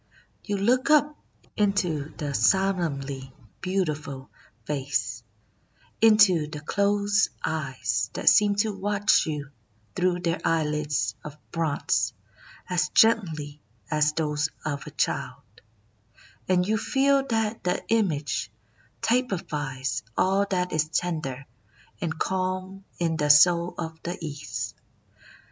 You look up into the solemnly beauti ful face, — into the closed eyes that seem to watch you through their eyelids of bronze as gently as those of a child, — and you feel that the image typifies all that is tender and calm in the Soul of the East.